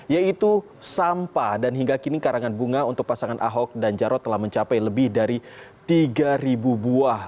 yaitu sampah dan hingga kini karangan bunga untuk pasangan ahok dan jarod telah mencapai lebih dari tiga buah